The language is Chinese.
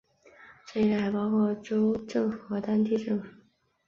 这一类还包括州政府和当地政府。